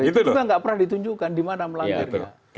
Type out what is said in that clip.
itu kan nggak pernah ditunjukkan di mana melanggar